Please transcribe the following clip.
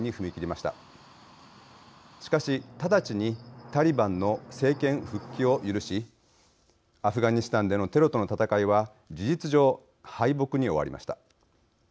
しかし、直ちにタリバンの政権復帰を許しアフガニスタンでのテロとの戦いは事実上、敗北に終わりました。